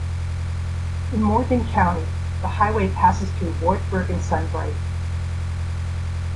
In Morgan County, the highway passes through Wartburg and Sunbright.